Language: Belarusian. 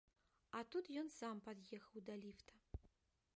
А тут ён сам пад'ехаў да ліфта.